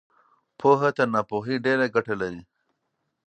پوهه تر ناپوهۍ ډېره ګټه لري.